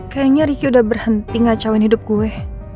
kayaknya ricky udah berhenti ngacauin hidup gue